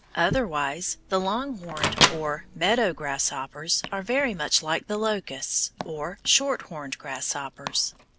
Otherwise, the longhorned, or meadow grasshoppers are very much like the locusts, or shorthorned grasshoppers.